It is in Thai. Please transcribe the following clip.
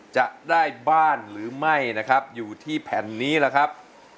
จะได้บ้านหรือไม่นะครับอยู่ที่แผ่นนี้ล่ะครับ